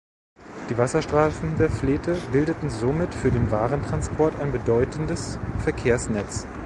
Die Wasserstraßen der Fleete bildeten somit für den Warentransport ein bedeutendes Verkehrsnetz.